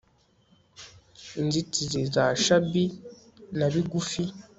inzitizi za shabby na bigufi